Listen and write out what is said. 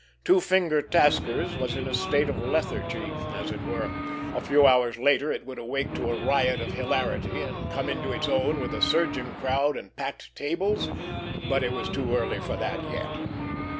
Two finger Tasker's was in a state of lethargy, as it were; a few hours later it would awake to a riot of hilarity, and come into its own with a surging crowd and packed tables, but it was too early for that yet.